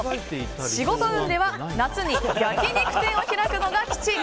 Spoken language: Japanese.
仕事運では夏に焼き肉店を開くのが吉。